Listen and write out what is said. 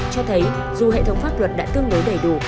cho thấy dù hệ thống pháp luật đã tương đối đầy đủ